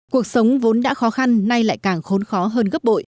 cuộc sống vốn đã khó khăn nay lại càng khốn khó hơn gấp bội